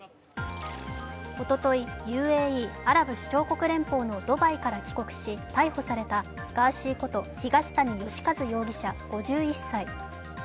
おととい、ＵＡＥ＝アラブ首長国連邦のドバイから帰国し逮捕されたガーシーこと東谷義和容疑者５１歳。